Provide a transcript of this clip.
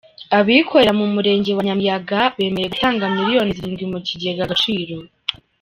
Abikorera mu Murenge wa Nyamiyaga bemeye gutanga Miliyoni zirindwi mukigega agaciro